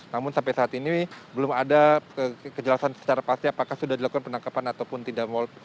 namun sampai saat ini belum ada kejelasan secara pasti apakah sudah dilakukan penangkapan ataupun tidak